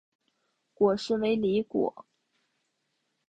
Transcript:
果实为离果。